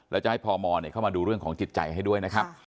แล้วจะให้พมเข้ามาดูเรื่องของจิตใจให้ด้วยนะครับ